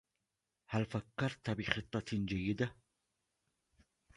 هل فكرّت بخطةٍ جيدة؟